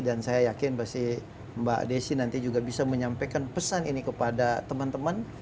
dan saya yakin mbak desi nanti juga bisa menyampaikan pesan ini kepada teman teman